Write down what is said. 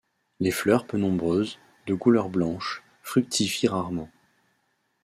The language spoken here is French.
Les fleurs peu nombreuses, de couleur blanche, fructifient rarement.